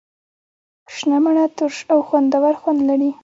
شنه مڼه ترش او خوندور خوند لري.